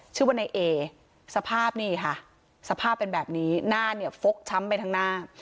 ชื่อว่าในเอสภาพนี่ค่ะสภาพเป็นแบบนี้หน้าเนี่ยฟกช้ำไปทั้งหน้า